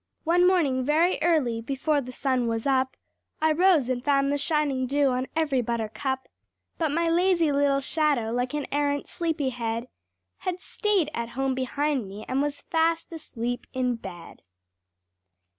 MY SHADOW [Pg 21] One morning, very early, before the sun was up, I rose and found the shining dew on every buttercup; But my lazy little shadow, like an arrant sleepy head, Had stayed at home behind me and was fast asleep in bed.